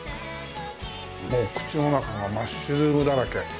もう口の中がマッシュルームだらけ。